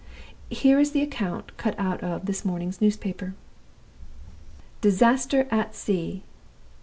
"Here is the account cut out of this morning's newspaper: "'DISASTER AT SEA.